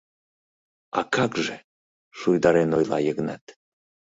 — А как же... — шуйдарен ойла Йыгнат.